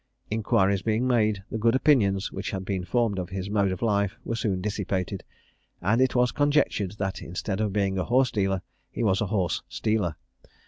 Inquiries being made, the good opinions which had been formed of his mode of life were soon dissipated; and it was conjectured, that instead of being a horse dealer, he was a horse stealer.